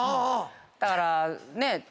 だからね。